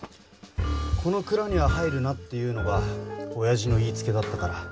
「この蔵には入るな」っていうのがおやじの言いつけだったから。